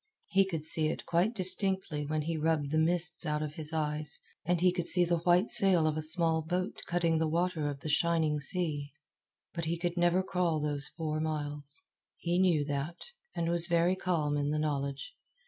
He could see it quite distinctly when he rubbed the mists out of his eyes, and he could see the white sail of a small boat cutting the water of the shining sea. But he could never crawl those four miles. He knew that, and was very calm in the knowledge.